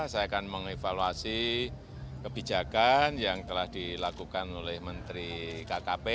saya akan mengevaluasi kebijakan yang telah dilakukan oleh menteri kkp